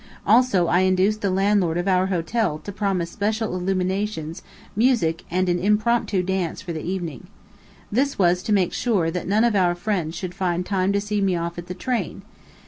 Also I induced the landlord of our hotel to promise special illuminations, music, and an impromptu dance for the evening. This was to make sure that none of our friends should find time to see me off at the train.